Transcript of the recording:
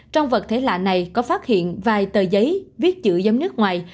trong vật thể lạ này có phát hiện vài tờ giấy viết chữ giống nước ngoài